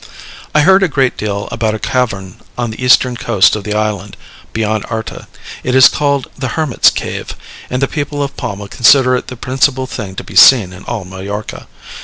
I heard a great deal about a cavern on the eastern coast of the island, beyond Arta. It is called the Hermit's Cave, and the people of Palma consider it the principal thing to be seen in all Majorca.